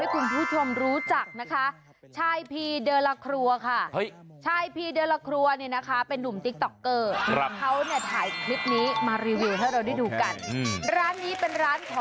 คุณผู้ชมไปกินขาวเหนียวลาบ